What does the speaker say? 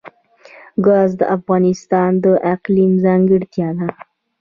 ګاز د افغانستان د اقلیم ځانګړتیا ده.